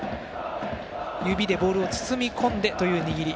指でボールを包み込んでという握り